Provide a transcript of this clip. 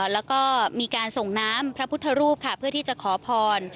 แล้วก็มีการส่งน้ำพระพุทธรูปค่ะเพื่อที่จะขอพร